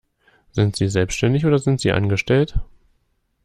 Sind Sie selbstständig oder sind Sie angestellt?